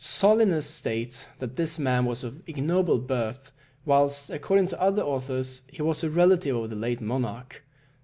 Solinus states that this man was of ignoble birth, whilst according to other authors, he was a relative of the late monarch.